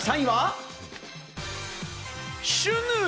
まず第３位はシュヌレ。